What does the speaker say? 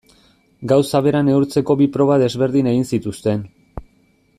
Gauza bera neurtzeko bi proba desberdin egin zituzten.